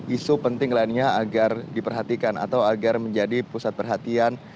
isu penting lainnya agar diperhatikan atau agar menjadi pusat perhatian